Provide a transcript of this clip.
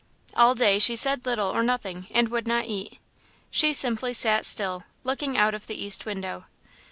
All day she said little or nothing and would not eat. She simply sat still, looking out of the east window.